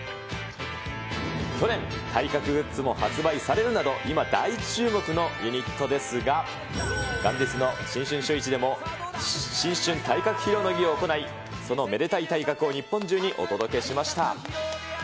去年、体格グッズも発売されるなど、今大注目のユニットですが、元日の新春シューイチでも新春体格披露の儀を行い、そのめでたい体格を日本中にお届けしました。